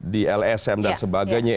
di lsm dan sebagainya